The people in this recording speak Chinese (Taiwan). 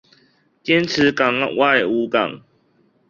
堅持黨外無黨